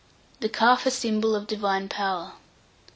THE CALF A SYMBOL OF DIVINE POWER.